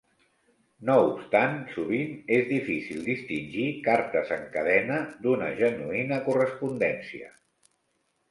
No obstant, sovint és difícil distingir cartes en cadena d'una genuïna correspondència.